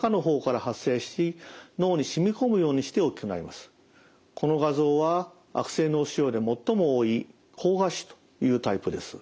良性と違ってこの画像は悪性脳腫瘍で最も多い膠芽腫というタイプです。